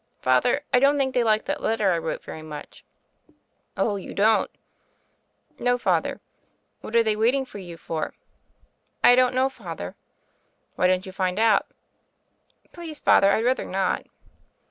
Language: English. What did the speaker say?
"Father, I don't think they liked that letter I wrote very much." "Oh, you don't?" "No, Father." "What are they waiting for you for?" "I don't know. Father." "Why don't you find out?" "Please, Father, I'd rather not."